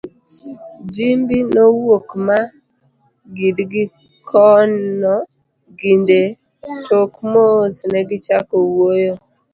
Jimbi nowuok ma gidgi kono gi Ndee, tok mos negichako wuoyo….